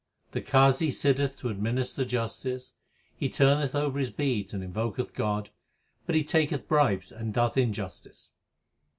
The Qazi sitteth to administer justice ; He turneth over his beads and invoketh God, But he taketh bribes and doeth injustice.